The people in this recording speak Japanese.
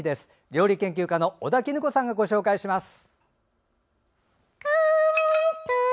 料理研究家の尾田衣子さんがご紹介します。